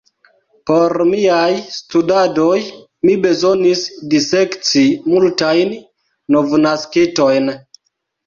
Por miaj studadoj mi bezonis disekci multajn novnaskitojn.